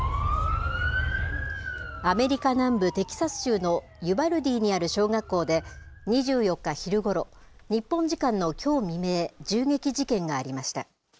アメリカ南部テキサス州のユバルディにある小学校で２４日昼ごろ、日本時間のきょう未明、銃撃事件がありました。